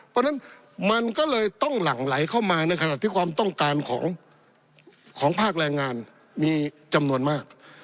เพราะฉะนั้นมันก็เลยต้องหลั่งไหลเข้ามาในขณะที่ความต้องการของภาคแรงงานมีจำนวนมาก